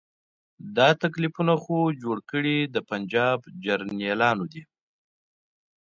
دا تکلیفونه خو جوړ کړي د پنجاب جرنیلانو دي.